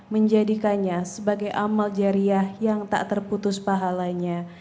menjadikannya sebagai amal jariah yang tak terputus pahalanya